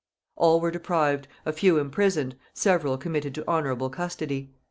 All were deprived, a few imprisoned, several committed to honorable custody.